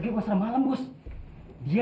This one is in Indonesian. jumlah coment chris